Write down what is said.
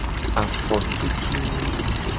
Afotutunu.